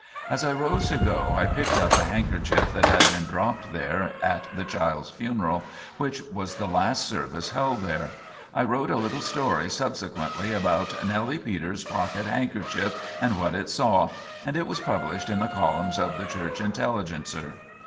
As I rose to go, I picked up a handkerchief that had been dropped there at the child's funeral, which was the last service held there. I wrote a little story subsequently about "Nellie Peters' Pocket Handkerchief, and What It Saw," and it was published in the columns of the "Church Intelligencer."